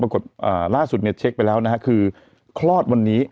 ปรากฏล่าสุดเน็ตเช็คไปแล้วนะครับคือคลอดวันนี้